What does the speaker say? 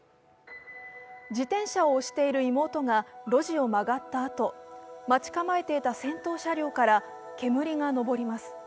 自転車を押している妹が路地を曲がったあと、待ち構えていた戦闘車両から煙が上ります。